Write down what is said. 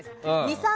２３